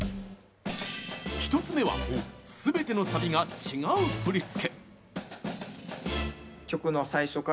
１つ目はすべてのサビが違う振付。